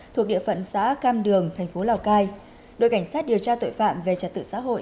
thuộc địa phận xã cam đường thành phố lào cai đội cảnh sát điều tra tội phạm về trật tự xã hội